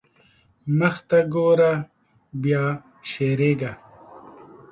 مخته ګوره بيا شېرېږا.